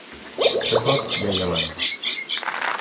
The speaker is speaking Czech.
Překlad je jelen.